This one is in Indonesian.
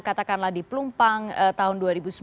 katakanlah di pelumpang tahun dua ribu sembilan belas